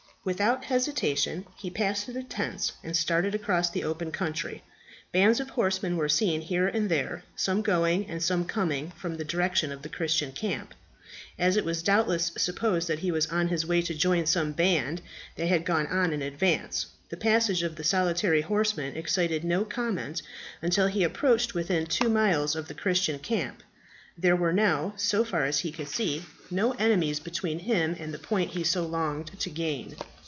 Without hesitation he passed through the tents and started across the open country. Bands of horsemen were seen here and there, some going, and some coming from the direction of the Christian camp. As it was doubtless supposed that he was on his way to join some band that had gone on in advance, the passage of the solitary horseman excited no comment until he approached within about two miles of the Christian camp. There were now, so far as he could see, no enemies between him and the point he so longed to gain.